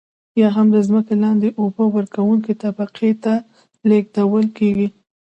یا هم د ځمکې لاندې اوبه ورکونکې طبقې ته لیږدول کیږي.